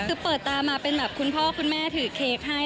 คือเปิดตามาเป็นแบบคุณพ่อคุณแม่ถือเค้กให้